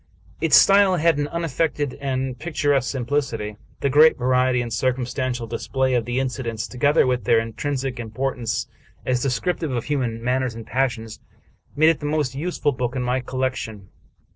Its style had an unaffected and pictur esque simplicity. The great variety and circumstantial dis play of the incidents, together with their intrinsic importance as descriptive of human manners and passions, made it the most useful book in my collection.